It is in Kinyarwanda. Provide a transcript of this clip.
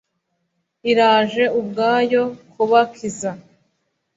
Iraje ubwayo kubakiza.»